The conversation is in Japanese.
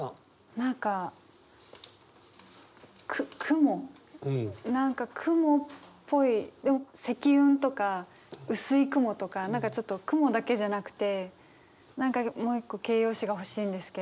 何か何か雲っぽいでも積雲とか薄い雲とか何かちょっと雲だけじゃなくて何かもう一個形容詞が欲しいんですけど。